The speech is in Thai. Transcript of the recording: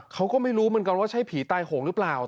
เขาก็ไม่รู้เหมือนกันว่าใช่ผีตายโหงหรือเปล่า